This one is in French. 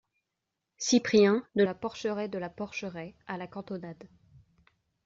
Cyprien, De La Porcheraie De La Porcheraie , à la cantonade.